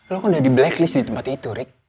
lo kan udah di blacklist di tempat itu rick